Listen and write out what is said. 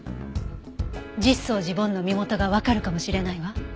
実相寺梵の身元がわかるかもしれないわ。